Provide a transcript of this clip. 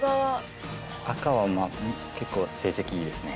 赤は結構成績いいですね。